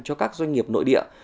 cho các doanh nghiệp nội địa